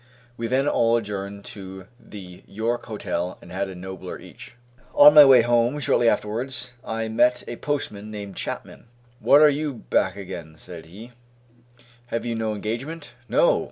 We then all adjourned to the York Hotel and had a nobbler each. On my way home shortly afterwards I met a postman named Chapman. "What, are you back again?" said he, "Have you no engagement?" "No!"